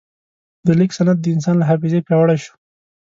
د لیک سند د انسان له حافظې پیاوړی شو.